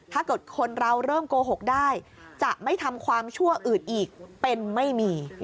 ถ้าเกิดคนเราเริ่มโกหกได้จะไม่ทำความชั่วอื่นอีกเป็นไม่มี